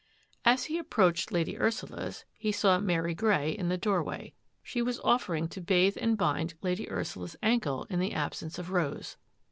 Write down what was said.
As he approached Lady Ursula's, he saw Mary Grey in the doorway. She was offering to batKe and bind Lady Ursula's ankle in the absence of Rose.